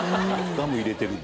ガム入れてる分。